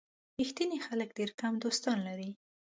ریښتیني خلک ډېر کم دوستان لري.